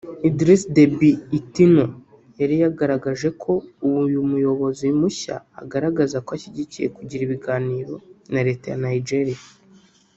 Idris Deby Itno yari yagaragaje ko uyu muyobozi mushya agaragaza ko ashyigikiye kugirana ibiganiro na Leta ya Nigeria